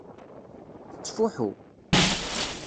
Tettfuḥu.